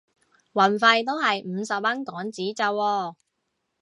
運費都係五十蚊港紙咋喎